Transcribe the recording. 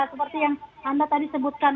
seperti yang anda tadi sebutkan